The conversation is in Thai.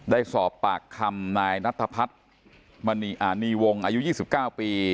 ได้สอบปากคำนายนัทพัฒน์มณีวงอายุ๒๙ปี